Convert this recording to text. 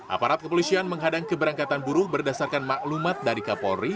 aparat kepolisian menghadang keberangkatan buruh berdasarkan maklumat dari kapolri